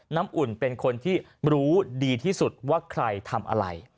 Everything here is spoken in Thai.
น้ำอุ่นเป็นคนที่รู้ดีที่สุดว่าใครทำอะไร